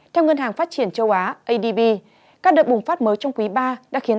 theo ngân hàng phát triển châu á các đợt bùng phát mới trong quý iii đã khiến